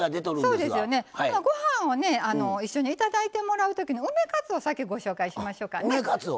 ご飯を一緒にいただいてもらうときの梅かつおを先にご紹介しましょうかね。